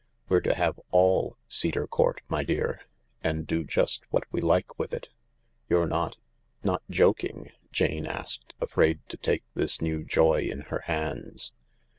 We're to have all Cedar Court, my dear — and do just what we like with it." " You're not— not joking ?" Jane asked, afraid to take this new joy in her hands.